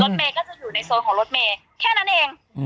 เมย์ก็จะอยู่ในโซนของรถเมย์แค่นั้นเอง